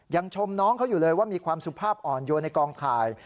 ชมน้องเขาอยู่เลยว่ามีความสุภาพอ่อนโยนในกองถ่าย